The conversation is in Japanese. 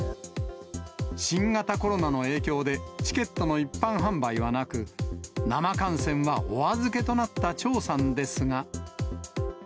新型コロナの影響で、チケットの一般販売はなく、生観戦はお預けとなった張さんですが。